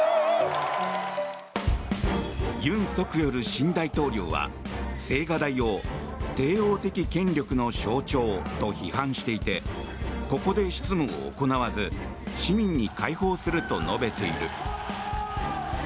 尹錫悦新大統領は青瓦台を帝王的権力の象徴と批判していてここで執務を行わず市民に開放すると述べている。